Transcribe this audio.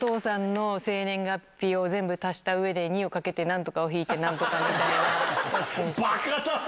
生年月日を全部足したうえで、２をかけてなんとかを引いてなんとか。ばかだな。